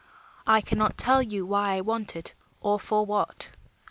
I cannot tell you why I want it or for what.